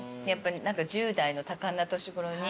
１０代の多感な年頃に。